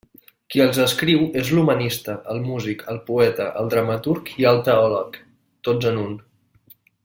Qui els escriu és l'humanista, el músic, el poeta, el dramaturg i el teòleg, tots en un.